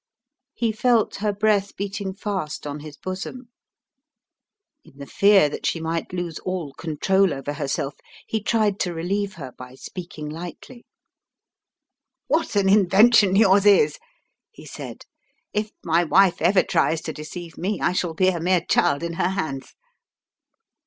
He felt her breath beating fast on his bosom. In the fear that she might lose all control over herself, he tried to relieve her by speaking lightly. "What an invention yours is!" he said. "If my wife ever tries to deceive me, I shall be a mere child in her hands."